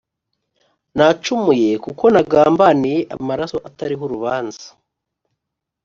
nacumuye kuko nagambaniye amaraso atariho urubanza.